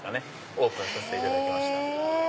オープンさせていただきました。